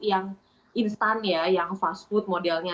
yang instan ya yang fast food modelnya